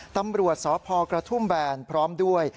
ตำรวจสพกระทุ่มแบนพร้อมด้วย